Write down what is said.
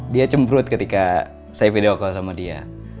dia cemprut ketika saya video call sama dia